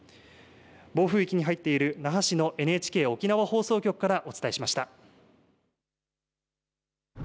暴風域に入っている那覇市のＮＨＫ沖縄放送局からお伝えしました。